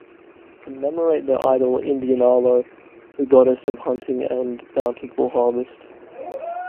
To commemorate their idol "Indianalo", the goddess of hunting and bountiful harvest.